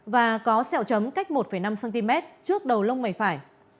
và có xeo chấm cách một năm cm trước đầu lông mầy phải